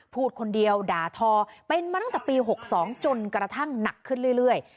พูดคนเดียวด่าทอเป็นมาตั้งแต่ปี๖๒จนกระทั่งหนักขึ้นเรื่อย